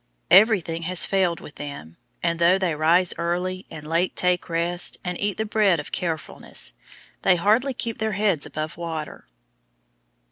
Everything has failed with them, and though they "rise early, and late take rest, and eat the bread of carefulness," they hardly keep their heads above water.